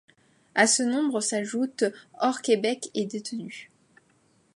À ce nombre s'ajoutent hors Québec et détenus.